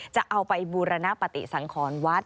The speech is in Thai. จะเอาไปบูรณปฏิสังขรวัด